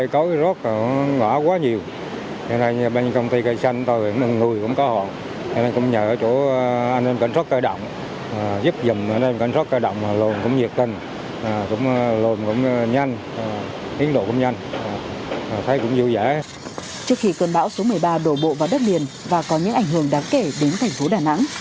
cơn bão số một mươi ba đổ bộ vào đất liền và có những ảnh hưởng đáng kể đến thành phố đà nẵng